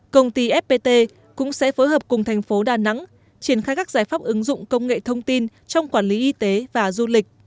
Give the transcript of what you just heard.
công ty fpt cũng sẽ phối hợp cùng thành phố đà nẵng triển khai các giải pháp ứng dụng công nghệ thông tin trong quản lý y tế và du lịch